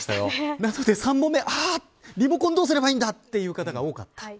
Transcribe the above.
なので３本目リモコン、どうすればいいんだという方が多かった。